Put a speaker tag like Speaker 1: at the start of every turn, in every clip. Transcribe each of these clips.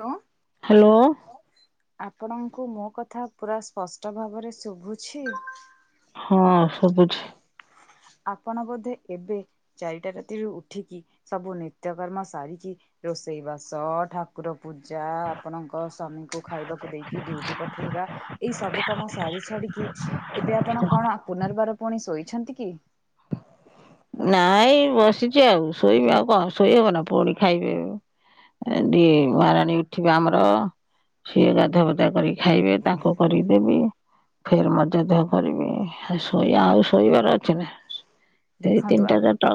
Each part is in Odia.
Speaker 1: Hello
Speaker 2: hello.
Speaker 1: ଆପଣଙ୍କୁ ମୋ କଥା ପୁରା ସ୍ପଷ୍ଟ ଭାବରେ ଶୁଭୁଛି।
Speaker 2: ହଁ ସବୁଛି।
Speaker 1: ଆପଣ ବୋଧେ ଏବେ ଚାରିଟା ରାତିରୁୁ ଉଠିକି ସବୁ ନିତ୍ୟକର୍ମ ସାରିକି ରୋଷେଇ ବାସ ଠାକୁର ପୂଜା ଆପଣଙ୍କ ସ୍ଵାମୀଙ୍କୁ ଖାଇବାକୁ ଦେଇକି ଡୁଟି ପଠେଇ ଏଇ ସବୁ କାମ ସରି ଛାଡିକି ଏବେ ଆପଣ କଣ ପୁନର୍ବାର ପୁଣି ଶୋଇଛନ୍ତି କି?
Speaker 2: ନାଇଁ ବସିଚି ଆଉ ଶୋଇବେି ଆଉ କଣ ଶୋଇ ହବ ନା ପୁଣି ଖାଇବେ। ଦିଏ ମହାରାଣୀ ଉଠିବେ ଆମର ସିଏ ଗାଧା ପାଧା କରି ଖାଇବେ ତାଙ୍କୁ କରିଦେବି। ଫେର ମଜା ଦେହ କରିବି ଶୋଇବା ଆଉ ଶୋଇବାର ଅଛି ନା। ସେଇ
Speaker 1: ଦେଖନ୍ତୁ
Speaker 2: ତିନିଟା ଚାରି ଟା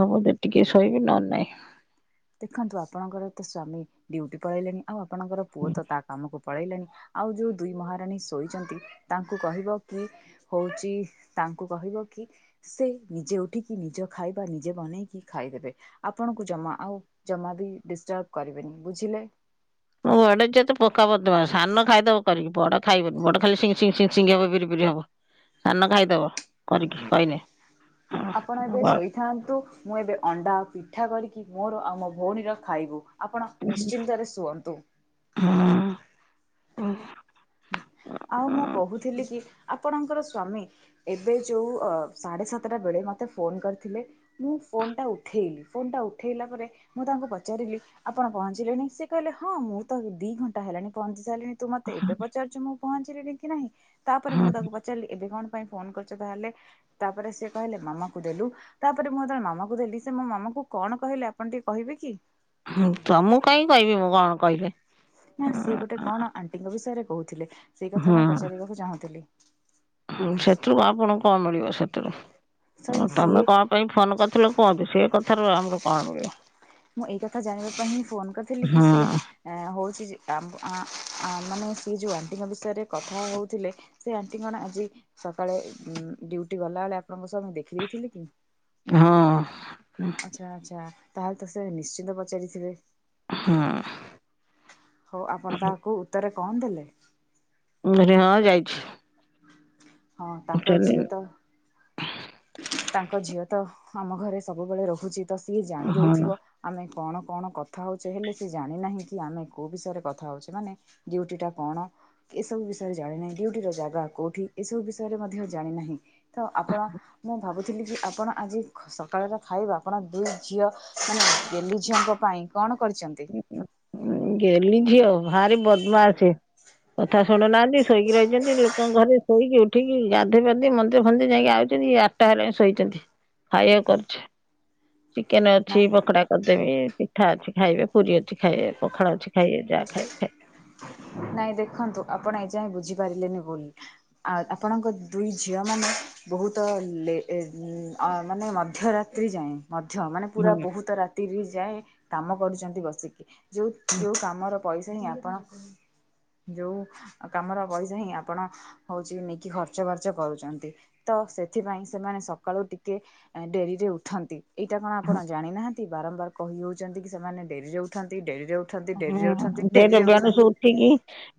Speaker 2: ହବ ଟିକେ ଶୋଇବି ନହେଲେ ନାଇଁ।
Speaker 1: ଦେଖନ୍ତୁ ଆପଣଙ୍କର ତ ସ୍ଵାମୀ ଡ୍ୟୁଟି ପଳେଇଲେଣି ଆଉ ଆପଣଙ୍କର ପୁଅ ତ ତା କାମକୁ ପଳେଇଲେଣି। ଆଉ ଯୋଉ ଦୁଇ ମହାରାଣୀ ଶୋଇଛନ୍ତି ତାଙ୍କୁ କହିବ କି ହୋଉଚି ତାଙ୍କୁ କହିବ କି ସେ ନିଜେ ଉଠିକି ନିଜ ଖାଇବା ନିଜେ ବନେଇକି ଖାଇଦେବେ ଆପଣଙ୍କୁ ଜମା ଆଉ ଜମା ବି ଡିଷ୍ଟର୍ବ କରିବେନି ବୁଝିଲେ।
Speaker 2: ମୁଁ ବଡେ ଯେତେ ପୋକକା ପଦ ସାନ ଖାଇଦବ କରିକି ବଡ ଖାଇବନି ବଡ ଖାଇ [unintelligible] ସିଙ୍ଗ ହବ ବିରି ପିରି ହବ ସାନ ଖାଇଦବ, କରିକି [unintelligible]
Speaker 1: ଆପଣ ଏବେ ଶୋଇଥାନ୍ତୁ ମୁଁ ଏବେ ଅଣ୍ଡା ପିଠା କରିକି ମୋର ଆଉ ମୋ ଭଉଣୀର ଖାଇବୁ ଆପଣ ନିଶ୍ଚିନ୍ତରେ ଶୁଅନ୍ତୁ।
Speaker 2: ହଁ।
Speaker 1: ଆଉ ମୁଁ କହୁଥିଲି କି ଆ ଆପଣ ଙ୍କ ସ୍ଵାମୀ ଏବେ ଯୋଉ ସାଢ଼େ ସାତଟା ବେଳେ ମତେ ଫୋନ କରିଥିଲେ, ମୁଁ ଫୋନ୍ ଫୋନ୍ ଟା ଉଠେଇଲି ଫୋନ୍ ଟା ଉଠେଇଲା ପରେ ମୁଁ ତାଙ୍କୁ ପଚାରିଲି ଆପଣ ପହିଚିଲେଣି ସେ କହିଲେ ହଁ ମୁଁ ତ ଦି ଘଣ୍ଟା ହେଲାଣି ପହଞ୍ଚି ସାରିଲଣି ତୁ ମତେ ଏବେ ପଚାରୁଛୁ ମୁଁ ପହଞ୍ଚିଲିଣି କି ନାହିଁ ତାପରେ
Speaker 2: ହଁ
Speaker 1: ମୁଁ ତାକୁ ପଚାରିଲି ଏବେ କଣ [unintelligible] ଫୋନ୍ କରିଚ ତାହେଲେ ତାପରେ ସେ କହିଲେ ମାମା ଦେଲୁ ତାପରେ ମୁଁ ଯେତେବେଳେ ମାମା କୁ ଦେଲି ମୋ ମାମା ଙ୍କୁ କଣ କହିଲେ ଆପଣ ଟିକେ କହିବେ କି?
Speaker 2: ତ ମୁଁ କହିଁ କହିବି ମୁଁ କଣ କହିବି।
Speaker 1: ନା ସିଏ ଗୋଟେ କଣ ଆଣ୍ଟିଙ୍କ ବିଷୟରେ କହୁଥିଲେ ସେଇ କଥା ମୁଁ ପଚାରିବାକୁ ଚାହୁଁଥିଲି।
Speaker 2: ସେଥିରୁ ଆପଣ କଣ ମିଳିବ ସେଥିରୁ
Speaker 1: ସଇ
Speaker 2: ହ
Speaker 1: ସିଏ
Speaker 2: ତମେ କଣ ପାଇଁ ଫୋନ କରିଥିଲ କୁହନ୍ତୁ ସେ କଥାରୁ ଆମର କଣ ମିଳିବ।
Speaker 1: ମୁଁ ଏଇ କଥା ଜାଣିବା ପାଇଁ ହିଁ ଫୋନ କରିଥିଲି କି
Speaker 2: ହୁଁ
Speaker 1: ସିଏ ହଉଚି ଆ ଆ ମାନେ ସେ ଯୋଉ ଆଣ୍ଟିଙ୍କ ବିଷୟରେ କଥା ହଉଥିଲେ ସେ ଆଣ୍ଟି କଣ ଆଜି ସକାଳେ ଉ ଡ୍ୟୁଟି ଗଲା ବେଳେ ଆପଣଙ୍କ ସଙ୍ଗେ ଦେଖି ଦେଇେଇଥିଲି କି
Speaker 2: ହଁ।
Speaker 1: ଆଚ୍ଛା ଆଚ୍ଛା ତାହେଲେ ତ ସେ ନିଶ୍ଚିନ୍ତ ପଚାରିଥିବେ।
Speaker 2: ହଁ
Speaker 1: ହଉ ଆପଣ ତାହାକୁ ଉତ୍ତରେ କଣ ଦେଲେ?
Speaker 2: ରେ ହଁ ଯାଇଚି।
Speaker 1: ହଁ ତାଙ୍କ ଝିଅ ତ ତାଙ୍କ ଝିଅ ତ ଆମ ଘରେ ସବୁବେଳେ ରହୁଚି ତ ସିଏ ଜାଣି
Speaker 2: ହଁ
Speaker 1: ଦଉଥିବ ଆମେ କଣ କଣ କଥା ହେଉଛେ ହେଲେ ସେ ଜାଣିନାହିଁ କି ଆମେ କେଉଁ ବିଷୟରେ କଥା ହେଉଛେ ମାନେ ଡ୍ୟୁଟିଟା କଣ? ଏ ସବୁ ବିଷୟରେ ଜାଣିନାହିଁ ଡିଉଟି ର ଜାଗା କୋଉଠି ଏସବୁ ବିଷୟରେ ମଧ୍ୟ ଜାଣିନାହିଁ। ତ ଆପଣ ମୁଁ ଭାବୁଥିଲି କି ଆପଣ ଆଜି ସକାଳଟା ଖାଇବେ ଆପଣ ଦୁଇ ଝିଅ ମାନେ ଗେଲି ଝିଅଙ୍କ ପାଇଁ କଣ କରିଛନ୍ତି।
Speaker 2: ଗଲି ଝିଅ ଭାରି ବଦମା ସିଏ। କଥା ଶୁଣୁନାହାନ୍ତି ଶୋଇକି ରହିଛନ୍ତି ଲୋକଙ୍କ ଘରେ ଶୋଇକି ଉଠିକି ଗାଧୋଇ ପାଧି ମନ୍ଦିର ଫନ୍ଦିର ଯାଇକି ଆସୁଛନ୍ତି। ଆଠଟା ହେଲା ଶୋଇଛନ୍ତି ଖାଇବାକୁ କରୁଛ। ଚିକେନ ଅଛି
Speaker 1: ନା
Speaker 2: ପକୋଡା କରିଦେବି ପିଠା ଅଛି ଖାଇବେ। ପୁରୀ ଅଛି ଖାଇବେ ପଖାଳ ଅଛି ଖାଇବେ ଯାହା ଖାଇବେ ଖାଇବେ।
Speaker 1: ନାଇଁ ଦେଖନ୍ତୁ ଆପଣ ଏଇଯାଏଁ ବୁଝିପାରିଲେନି ଭୁଲ ଟା ଆଉ ଆପଣଙ୍କ ଦୁଇ ଝିଅ ମାନେ ବହୁତ ଲେ ମାନେ ମଧ୍ୟରାତ୍ରି ଯାଏଁ ମଧ୍ୟ ମାନେ ପୁରା ବହୁତ ରାତିରେ ଯାଏ କାମ କରୁଚନ୍ତି ବସିକି ଯୋଉ ଯୋଉ କାମର ପଇସା ହିଁ ଆପଣ ଯୋଉ କାମର ପଇସା ହିଁ ଆପଣ ହଉଛି ନେଇକି ଖର୍ଚ୍ଚ ବାର୍ଚ୍ଚ କରୁଛନ୍ତି। ତ ସେଥିପାଇଁ ସେମାନେ ସକାଳୁ ଟିକେ ଡେରିରେ ଉଠନ୍ତି। ଏଇଟା କଣ
Speaker 2: ହୁଁ
Speaker 1: ଆପଣ ଜାଣିନାହାନ୍ତି ବାରମ୍ବାର କହି ହଉଛନ୍ତି କି ସେମାନେ ଡେରି ଉଠନ୍ତି ଡେରିରେ ଉଠନ୍ତି। ଡେରିରେ
Speaker 2: ହୁଁ
Speaker 1: ଉଠନ୍ତି
Speaker 2: ସେ ତ
Speaker 1: ଡେରିରେ ଉଠନ୍ତି।
Speaker 2: ବେଣୁଶୁ ଉଠିକି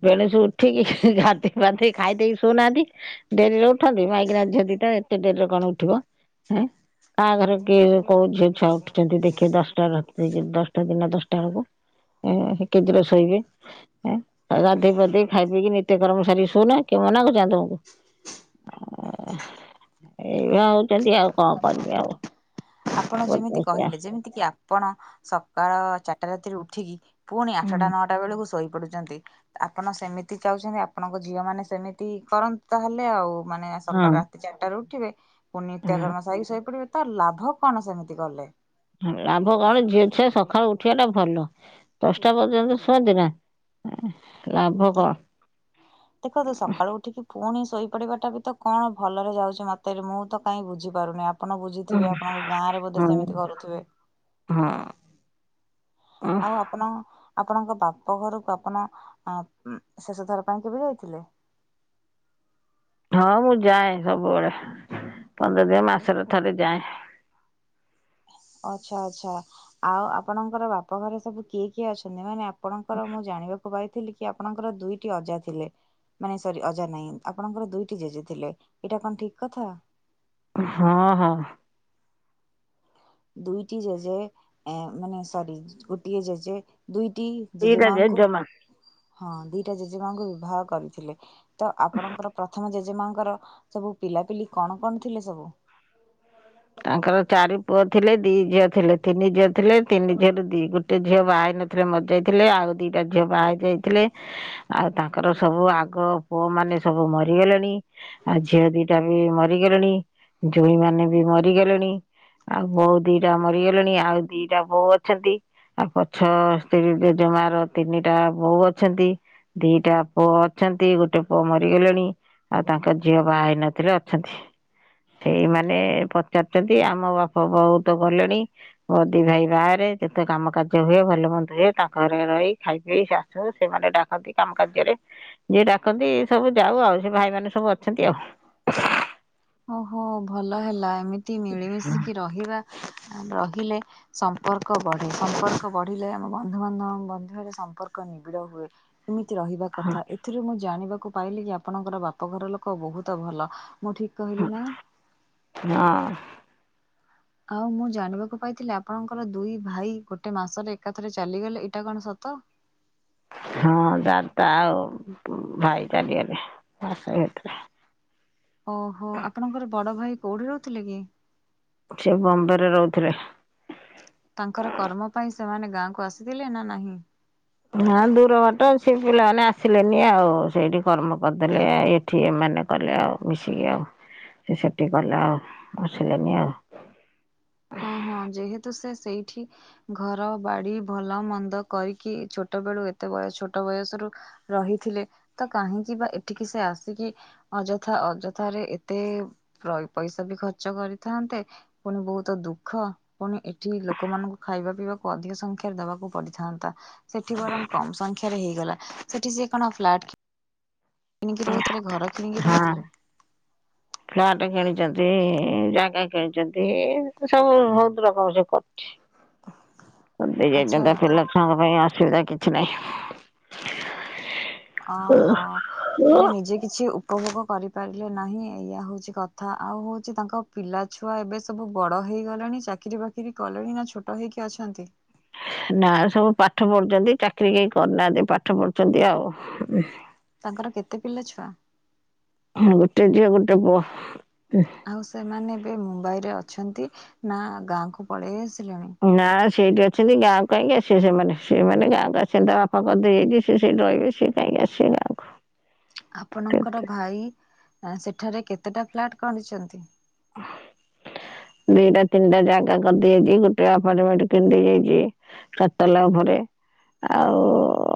Speaker 2: ବେଣୁଶୁ ଉଠିକି ଗାଧେଇ ପାଧେଇ ଖାଇ ଦେଇେଇକି ଶୋଉନାହାନ୍ତି ଡେରି ଉଠି ଉଠନ୍ତି ମାଇକିନା ଝିଅ ଦିଟା ଏତେ ଡେରିରେ କଣ ଉଠିବ? ଏଁ କାହା ଘରେ କିଏ କୋଉ ଝିଅ ଛୁଆ ଉଠୁଛନ୍ତି ଦେଖି ଦଶଟା ରାତି ଦଶଟା ଦିନ ଦଶଟା ହବ? ଏ କେଦୁର ଶୋଇବେ ଏଁ ଗାଧୋଇ ପାଧେଇ ଖାଇ ପିକି ନିତ୍ୟ କର୍ମସାରୀ ଶଉନା କିଏ ମନା ହଉ ଗାଦଉଛୁ। ଏଇଭଳିଆ ହଉଛନ୍ତି ଆଉ କଣ କରିବି ଆଉ?
Speaker 1: ଆପଣ ଯେମିତି
Speaker 2: ବଦମାସିଆ।
Speaker 1: କହିଲେ ଯେମିତି କି ଆପଣ ସକାଳ ଚାରିଟା ରାତିରେ ଉଠିକି ପୁଣି ଆଠଟା ନଅଟା ବେଳକୁ ଶୋଇ ପଡୁଚନ୍ତି ଆପଣ ସେମିତି ଯାଉଛନ୍ତି ଆପଣଙ୍କ ଝିଅ ମାନେ ସେମିତି କରନ୍ତା ହେଲେ ଆଉ। ମାନେ
Speaker 2: ହଁ
Speaker 1: ସକାଳ ରାତି ଚାରିଟା ରୁ ଉଠିବେ ପୁଣି
Speaker 2: ହଁ
Speaker 1: ନିତ୍ୟ କର୍ମ ସାଇକି ଶୋଇ ପଡିବେ ତ ଲାଭ କଣ ସେମିତି କଲେ?
Speaker 2: ଲାଭ କଣ ଝିଅ ଛୁଆ ସକାଳୁ ଉ ଉଠିବା ଟା ଭଲ ଦଶଟା ପର୍ଯ୍ୟନ୍ତ ଶୁଅନ୍ତି ନା। ଲାଭ କଣ?
Speaker 1: ଦେଖ ଦେଖନ୍ତୁ ସକାଳୁ ଉଠିକି ପୁଣି ଶୋଇପଡ଼ିବାଟା ବି ତ କଣ ଭଲରେ ଯାଉଛି ମୋତେ ମୁଁ ତ କାହିଁ ବୁଝିପାରୁନି ଆ ଆପଣ ବୁଝିଥିବେ ଆପଣଙ୍କ ଗାଁ ରେ ବୋଧେ
Speaker 2: ହଁ
Speaker 1: ସେମିତି କରୁଥିବେ।
Speaker 2: ହଁ
Speaker 1: ଆଉ ଆପଣ ଆପଣଙ୍କ ବାପ ଘରକୁ ଆପଣ ଶେଷ ଥର ପାଇଁ କେବେ ଯାଇଥିଲେ? [unintelligible]
Speaker 2: ହଁ ମୁଁ ଯାଏ ସବୁବେଳେ ପନ୍ଦର ଦିନି ମାସରେ ଥରେ ଯାଏ।
Speaker 1: ଅଚ୍ଛା ଅଚ୍ଛା ଆଉ ଆପଣଙ୍କର ବାପ ଘରେ ସବୁ କିଏ କିଏ ଅଛନ୍ତି? ମାନେ ଆପଣଙ୍କର ମୁଁ ଜାଣିବାକୁ ପାଇଥିଲି କି ଆପଣଙ୍କର ଦୁଇଟି ଅଜା ଥିଲେ। ମାନେ ସରି ଅଜା ନାହିଁ ଆପଣଙ୍କର ଦୁଇଟି ଜେଜେ ଥିଲେ। ଏଇଟା କଣ ଠିକ କଥା?
Speaker 2: ହଁ ହଁ।
Speaker 1: ଦୁଇଟି ଜେଜେ ଏ ମାନେ ସରି ଗୋଟିଏ ଜେଜେ ଦୁଇ ଟି
Speaker 2: ଦିଟା
Speaker 1: ଜେଜେମାଙ୍କୁ
Speaker 2: ଜେଜେମା।
Speaker 1: ହଁ ଦିଟା ଜେଜେମାଙ୍କୁ ବିବାହ କରିଥିଲେ ତ ଆପଣଙ୍କର ପ୍ରଥମ ଜେଜେମାଙ୍କର ସବୁ ପି ପିଲାପିଲି କଣ କଣ ଥିଲେ ସବୁ?
Speaker 2: ତାଙ୍କର ଚାରି ପୁଅ ଥିଲେ ଦି ଝିଅ ଥିଲେ ତିନି ଝିଅ ଥିଲେ ତିନି ଝିଅରୁ ଦି ଗୋଟେ ଝିଅ ବାହା ହେଇନଥିଲେ ମରଜାଇଥିଲେ ଆଉ ଦିଟା ଝିଅ ବାହା ହେଇ ଯାଇଥିଲେ ଆଉ ତାଙ୍କର ସବୁ ଆଗ ପୁଅ ମାନେ ସବୁ ମରିଗଲେଣି ଆଉ ଝିଅ ଦିଟା ବି ମରିଗଲେଣି ଯୋଇଁ ମାନେ ବି ମ ରିଗଲେଣି ଆଉ ବୋହୁ ଦିଇଟା ମରିଗଲେଣି ଆଉ ଦିଇଟା ବୋହୁ ଅଛନ୍ତି। ଆଉ ପଛ ସ୍ତ୍ରୀ ରେ ଜମାର ତିନିଟା ବହୁ ଅଛନ୍ତି। ଦିଇଟା ପୁଅ ଅଛନ୍ତି ଗୋଟେ ପୁଅ ମରିଗଲେଣି। ଆଉ ତାଙ୍କ ଝିଅ ବାହା ହେଇନଥିଲେ ଅଛନ୍ତି। ସେଇମାନେ ପ ଚାରୁଚନ୍ତି ଆମ ବାପା ବୋଉ ତ ଗଲେଣି ମୋ ଦି ଭାଇ ବାହାରେ ଯେତେ କାମ କାର୍ଯ୍ୟ ହୁଏ ଭଲ ମନ୍ଦ ହୁଏ ତାଙ୍କ ଘରେ ରହି ଖାଇ ପିଇକି ଆଶୁ ସେମାନେ ଡାକନ୍ତି କାମ କାର୍ଯ୍ୟ ରେ ଯିଏ ଡାକନ୍ତି ସବୁ ଯାଉ ଆଉ ସେ ଭାଇ ମାନ ସବୁ ଅଛନ୍ତି ଆଉ।
Speaker 1: ଓହୋ ଭଲ ହେଲା ଏମିତି ମିଳିମିଶିକି ରହିବା। ରହିଲେ ସମ୍ପର୍କ ବଢେ ସମ୍ପର୍କ ବଢିଲେ ଆମ ବନ୍ଧୁବାନ୍ଧବଙ୍କ ବନ୍ଧୁ ବାନ୍ଧି ବାରେ ସମ୍ପର୍କ ନିବିଡ଼ ହୁଏ। ଏମିତି ରହିବା କଥା ଏଥିରୁ ମୁଁ ଜାଣିବାକୁ ପାଇଲି କି ଆପଣଙ୍କର ବାପଘର ଲୋକ ବହୁତ ଭଲ ମୁଁ ଠିକ୍ କହିଲି
Speaker 2: ହଁ
Speaker 1: ନା?
Speaker 2: ହଁ।
Speaker 1: ଆଉ ମୁଁ ଜାଣିବାକୁ ପାଇଥିଲି ଆପଣଙ୍କର ଦୁଇ ଭାଇ ଗୋଟେ ମାସରେ ଏକାଥରେ ଚାଲିଗଲେ ଏଇଟା କଣ ସତ? ହ [inaudible]
Speaker 2: ହଁ ଦାଦା ଆଉ ଭାଇ ଚାଲିଗଲେ ମାସେ ଭିତରେ
Speaker 1: ଓହୋ ଆପଣଙ୍କର ବଡ ଭାଇ କୋଉଠି ରହୁଥିଲେ କି?
Speaker 2: ସେ ବମ୍ବେ ରେ ରହୁଥିଲେ।
Speaker 1: ତାଙ୍କର କର୍ମ ପାଇଁ ସେମାନେ ଗାଁକୁ ଆସିଥିଲେ ନା ନାହିଁ?
Speaker 2: ନା ଦୂର ବାଟ ସେ ପିଲାମାନେ ଆସିଲେନି ଆଉ ସେଇଠି କର୍ମ କରିଦେଲେ ଏ ଏଠି ମାନେ କଲେ ଆଉ ମିଶିକି ଆଉ। ସେ ସେଠି କଲେ ଆଉ ଆସିଲେନି ଆଉ।
Speaker 1: ହଁ ହଁ ଯେହେତୁ ସେ ସେଇଠି ଘର ବାଡି ଭଲ ମନ୍ଦ କରିକି ଛୋ ଛୋଟ ବେଳୁ ଏତେ ବୟ ଛୋଟ ବୟସରୁ ରହିଥିଲେ ତ କାହିଁକି ବା ଏଠିକି ସେ ଆସିକି ଅଯଥା ଅଯଥାରେ ଏତେ ପଇସା ବି ଖର୍ଚ୍ଚ କରିଥାନ୍ତେ ପୁଣି ବହୁତ ତ ଦୁଃଖ ପୁଣି ଏଠି ଲୋକମାନଙ୍କୁ ଖାଇବା ପିଇବାକୁ ଅଧିକ ସଂଖ୍ୟାରେ ଦବାକୁ ପଡିଥାନ୍ତା। ସେ ଠି ବରଂ କମ ସଂଖ୍ୟାରେ ହେଇଗଲା। ସେଠି ସେ କଣ ଫ୍ଲାଟ୍ କି କିଣିକି ରହୁଥରେ ଘରେ।
Speaker 2: ହଁ ଫ୍ଲଟ୍ କିଣି ଚନ୍ତି ଜାଗା କିଣିଛନ୍ତି ସବୁ ବହୁତ ରକମ ସେ କର କରିଦେଇଯାଇଥାନ୍ତା
Speaker 1: ଆଚ୍ଛା
Speaker 2: ପିଲା ଛୁଆଙ୍କ ପାଇଁ ଅସୁବିଧା କି କିଛି ନାହିଁ।
Speaker 1: ଅହ ତାହେଲେ ନିଜେ କିଛି ଉପଭୋଗ କରିପାରିଲେ ନାହିଁ ଏଇଆ ହଉଛି କଥା ଆଉ ହଉଛି ତାଙ୍କ ପିଲା ଛୁଆ ଏବେ ସବୁ ବଡ଼ ହେ ହେଇଗଲେଣି ଚାକିରି ବାକିରି କଲେଣି ନା ଛୋଟ ହେଇକି ଅଛନ୍ତି?
Speaker 2: ନା ସବୁ ପାଠ ପଢୁଛନ୍ତି ଚାକିରୀ କେହି କରିନାହାନ୍ତି। ପାଠ ପଢୁଛନ୍ତି ଆଉ।
Speaker 1: ତାଙ୍କର କେତେ ପିଲା ଛୁଆ?
Speaker 2: ଗୋଟେ ଝିଅ ଗୋଟେ ପୁଅ।
Speaker 1: ଆଉ ସେମାନେ ଏବେ ମୁମ୍ବାଇ ରେ ଅଛନ୍ତି ନା ଗାଁକୁ ପଳେଇଆସି
Speaker 2: ନା ଶ୍ ସେଇଠି ଅଛନ୍ତି ଗାଁକୁ କାହିଁକି ଆସିବେ ସେମାନେ। ସେମାନେ ଗାଁକୁ ଆସିବେନି ତା ବାପା କରିଦେଇ ଯାଇଛି ସେ ସେଇଠି ରହିବେ। ସେ କାହିଁକି ଆସିବେ ଗାଁ କୁ
Speaker 1: ଆପଣଙ୍କର ଭାଇ ସେଠାରେ କେତେଟା ଫ୍ଲାଟ୍ କରିଛନ୍ତି?
Speaker 2: ଅ [unintelligible]
Speaker 1: ହ [unintelligible]
Speaker 2: ଦିଟା ତିନିଟା ଜାଗା କରିଦେଇଯାଇଛି। ଗୋଟେ ଆପାର୍ଟମେଣ୍ଟ କିଣି ଦେଇଯାଇଛି ଚାରିତାଲା ଉପରେ। ଆଉ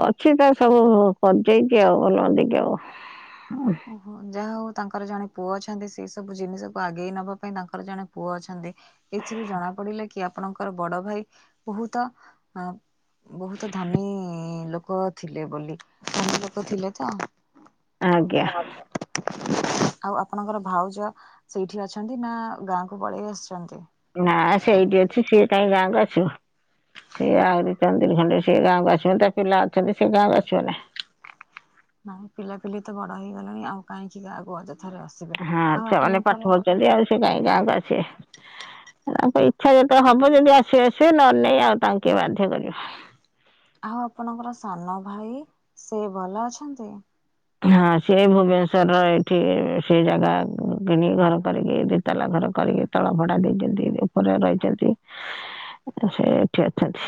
Speaker 2: ଅଛି ତା ସବୁ କରିଦେଇଚି ଆଉ ଭଲ ମନ୍ଦିକି ଆଉ।
Speaker 1: ଓହୋ ଯାହା ହଉ ତାଙ୍କର ଜଣେ ପୁଅ ଅଛନ୍ତି ସେଇ ସବୁ ଜିନିଷକୁ ଆଗେଇ ନବା ପାଇଁ ତାଙ୍କର ଜଣେ ପୁଅ ଅଛନ୍ତି ଏଥିରୁ ଜଣା ପଡିଲେ କି ଆ ଆପଣଙ୍କର ବଡ ଭାଇ ବହୁତ ଅ ବହୁତ ଧନୀ ଲୋକ ଥିଲେ ବୋଲି। ଧନୀ ଲୋକ ଥିଲେ ତ?
Speaker 2: ଆଜ୍ଞା।
Speaker 1: [unintelligible] ଆଉ ଆପଣଙ୍କର ଭାଉଜ ସେଇଠି ଅଛନ୍ତି ନା ଗାଁକୁ ପଳେଇ ଆସ
Speaker 2: ନା ସେଇଠି ଅଛି ସିଏ କାହିଁ ଗାଁକୁ ଆସିବ। ସିଏ ଆହୁରି ଚନ୍ଦିରୀ ଖଣ୍ଡେ ସେ ଗାଁକୁ ଆସିବନି ତା ପିଲା ଅଛନ୍ତି ସେ ଗାଁକୁ ଆସିବନି।
Speaker 1: ନାଇଁ ପିଲାପିଲି ତ ବଡ ହେଇଗଲେଣି ଆଉ କାହିଁକି ଗାଁକୁ ଆଦ
Speaker 2: ହଁ ଛୁଆମାନେ ପାଠ ପଡୁଛନ୍ତି ଆଉ ସିଏ କାହିଁ ଗାଁକୁ ଆସିବେ।
Speaker 1: [inaudible]
Speaker 2: ତାଙ୍କ ଇଚ୍ଛା ଯେତେ ହବ ଯଦି ଆସେ ଆସିବେ ନ ନାଇ ଆଉ ତାଙ୍କୁ କିଏ ବାଧ୍ୟ କରିବା।
Speaker 1: ଆଉ ଆପଣଙ୍କର ସାନ ଭାଇ ସେ ଭଲ ଅଛନ୍ତି?
Speaker 2: ହଁ ସିଏ ଭୁବନେଶ୍ଵରର ଏଇଠି ସେ ଜାଗା କିଣିକ ଘର କରିକି ଦିତାଲା ଘର କରିକି ତଳ ଭଡା ଦେଇଛନ୍ତି ଉପରେ ରହିଛନ୍ତି। ସେଇଠି ଅଛନ୍ତି।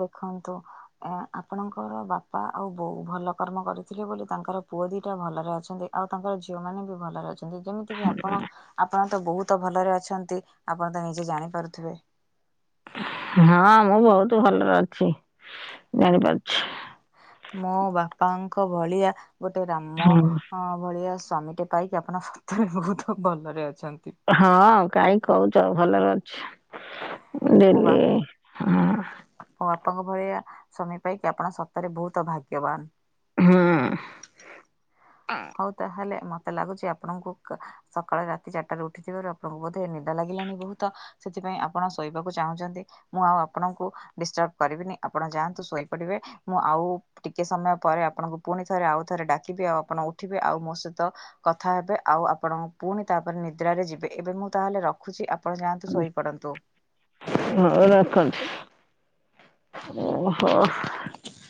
Speaker 1: ଦେଖନ୍ତୁ ଏ ଆପଣଙ୍କର ବାପା ଆଉ ବୋଉ ଭଲ କର୍ମ କରିଥିଲେ ବୋଲି ତାଙ୍କର ପୁଅ ଦିଟା ଭଲରେ ଅଛନ୍ତି ଆଉ ତାଙ୍କର ଝିଅ ମାନେବି ଭଲରେ ଅଛନ୍ତି ଯେମିତିକି ଆପଣ ଆପଣ ତ ବହୁତ ଭଲରେ ଅଛନ୍ତି ଆପଣ ତ ନିଜେ ଜାଣି ପାରୁଥିବେ।
Speaker 2: ହଁ ମୁଁ ବହୁତ ଭଲରେ ଅଛି ଜାଣିପାରୁଛି।
Speaker 1: ମୋ ବାପାଙ୍କ ଭଳିଆ ଗୋଟେ ରାମ
Speaker 2: ହଁ
Speaker 1: ଅ ଭଳିଆ ସ୍ୱାମୀଟେ ପାଇକି ଆପଣ ସତରେ ବହୁତ ଭଲରେ ଅ।
Speaker 2: ହଁ କାହିଁକି କହୁଛ ଭଲରେ ଅଛି।
Speaker 1: ମୋ ବା
Speaker 2: ଡେଲି ହଁ।
Speaker 1: ମୋ ବାପାଙ୍କ ଭଳିଆ ସ୍ୱାମୀ ପାଇକି ଆପଣ ସତରେ ବହୁତ ଭାଗ୍ୟବାନ।
Speaker 2: ହୁଁ
Speaker 1: ହଉ ତାହେଲେ। ମତେ ଲାଗୁଛି ଆପଣଙ୍କୁ କା ସକାଳେ ରାତି ଚାରିଟାରେ ଉଠିଥିବାରୁ ଆପଣଙ୍କୁ ବୋଧେ ନିଦ ଲାଗିଲାଣି ବହୁତ। ସେଥିପାଇଁ ଆପଣ ଶୋଇବାକୁ ଚାହୁଁଛନ୍ତି ମୁଁ ଆଉ ଆପଣଙ୍କୁ ଡିଷ୍ଟର୍ବ କରିବିନି ଆପଣ ଯାଆନ୍ତୁ ଶୋଇପଡିବେ ମୁଁ ଆଉ ଟିକେ ସମୟ ପରେ ଆପଣଙ୍କୁ ପୁଣି ଥରେ ଆଉ ଥରେ ଡାକିବେ ଆଉ ଆପଣ ଉଠିବେ ଆଉ ମୋ ସହିତ କଥା ହେବେ ଆଉ ଆପଣ ପୁଣି ତାପରେ ନିଦ୍ରାରେ ଯିବେ। ଏବେ ମୁଁ ତାହେଲେ ରଖୁଛି ଆ
Speaker 2: ହଁ ରଖନ୍ତୁ। ଓହୋ।